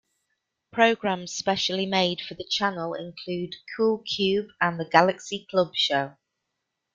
Programmes specially made for the channel included "Cool Cube" and "The Galaxy Club Show".